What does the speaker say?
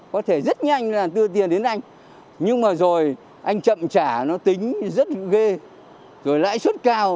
có thể rất nhanh là đưa tiền đến anh nhưng mà rồi anh chậm trả nó tính rất ghê rồi lãi suất cao